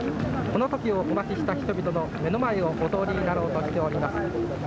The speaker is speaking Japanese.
この時をお待ちした人々の目の前をお通りになろうとしております」。